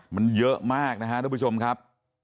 มันเยอะมากนะครับทุกผู้ชมครับ